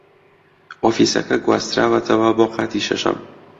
ئۆفیسەکە گواستراوەتەوە بۆ قاتی شەشەم.